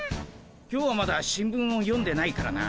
今日はまだ新聞を読んでないからな。